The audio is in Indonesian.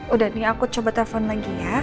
udah nih aku coba telepon lagi ya